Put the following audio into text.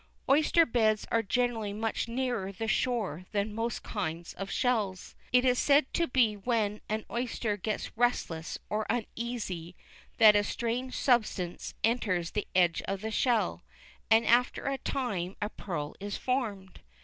Oyster beds are generally much nearer the shore than most kinds of shells. It is said to be when an oyster gets restless or uneasy that a strange substance enters the edge of the shell, and after a time a pearl is formed.